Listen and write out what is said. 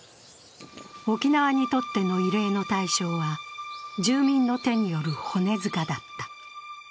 沖縄にとっての慰霊の対象は住民の手による骨塚だった。